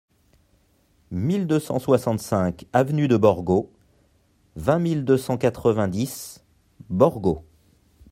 mille deux cent soixante-cinq avenue de Borgo, vingt mille deux cent quatre-vingt-dix Borgo